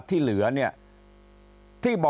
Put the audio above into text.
ครับ